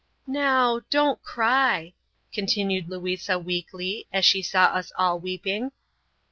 "Now, don't cry," continued Louisa weakly, as she saw us all weeping.